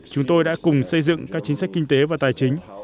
chúng tôi đã cùng xây dựng các chính sách kinh tế và tài chính